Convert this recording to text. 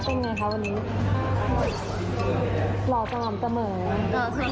หอมยังเหมือน